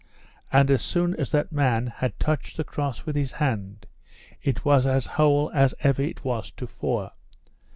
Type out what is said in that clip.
And as soon as that man had touched the Cross with his hand it was as whole as ever it was to fore.